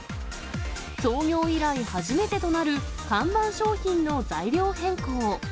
創業以来初めてとなる看板商品の材料変更。